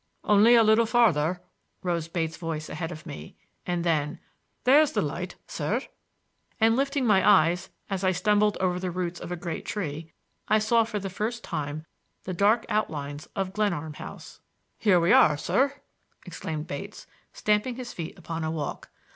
"Only a little farther," rose Bates' voice ahead of me; and then: "There's the light, sir,"—and, lifting my eyes, as I stumbled over the roots of a great tree, I saw for the first time the dark outlines of Glenarm House. "Here we are, sir!" exclaimed Bates, stamping his feet upon a walk.